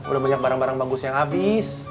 udah banyak barang barang bagus yang habis